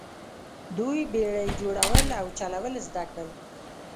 دوی بیړۍ جوړول او چلول زده کړل.